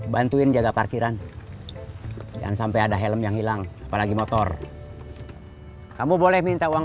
bantuin jaga parkiran jangan sampai ada helm yang hilang apalagi motor kamu boleh minta uang